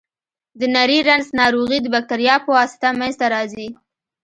د نري رنځ ناروغي د بکتریا په واسطه منځ ته راځي.